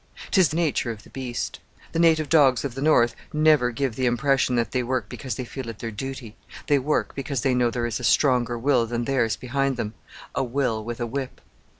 'Tis the nature of the beast. The native dogs of the north never give the impression that they work because they feel it their duty. They work because they know there is a stronger will than theirs behind them, a will with a whip.